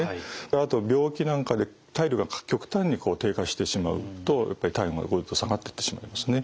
あと病気なんかで体力が極端に低下してしまうとやっぱり体温が下がってってしまいますね。